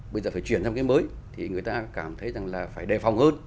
bây giờ phải chuyển sang cái mới thì người ta cảm thấy rằng là phải đề phòng hơn